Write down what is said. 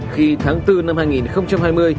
khi tháng bốn năm hai nghìn hai mươi